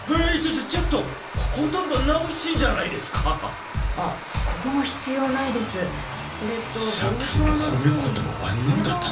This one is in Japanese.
ちょっちょっとほとんど直しじゃないですかあっここも必要ないですそれとさっきの褒め言葉は何だったんだ